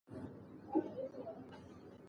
پسرلی د افغان کلتور په داستانونو کې راځي.